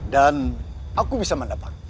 dan aku bisa mendapat